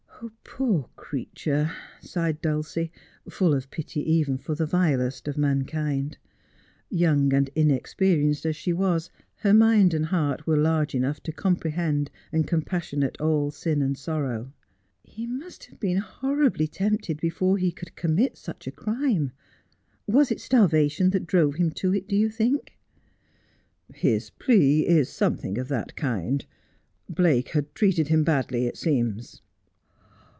' Poor creature !' sighed Dulcie, full of pity even for the vilest of mankind. Young and inexperienced as she was, her mind and heart were large enough to comprehend and compassionate all sin and sorrow. ' He must have been horribly tempted before he could commit such a crime. Was it starvation that drove him to it, do you think 1 '' His plea is something of that kind. Blake had treated him badly, it seems.'